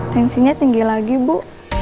tensinya tinggi lagi bu